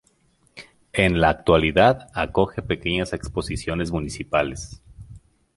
En la actualidad acoge pequeñas exposiciones municipales.